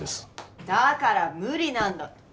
だから無理なんだって。